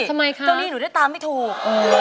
เจ้านี่หนูได้ตามไม่ถูก